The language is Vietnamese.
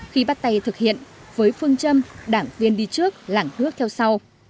khi bắt tay thực hiện với phương châm đảng viên đi trước làng hước theo sau